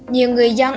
nhiều người dân